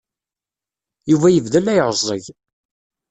Yuba yebda la iɛeẓẓeg.